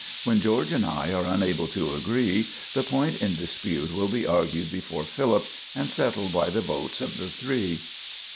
When George and I are unable to agree, the point in dispute will be argued before Philip, and settled by the votes of the three."